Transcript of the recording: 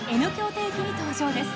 定期に登場です。